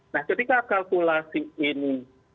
nah ketika kalkulasi ini